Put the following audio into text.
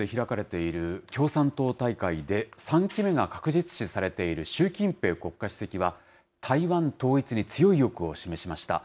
中国で開かれている共産党大会で３期目が確実視されている習近平国家主席は、台湾統一に強い意欲をしました。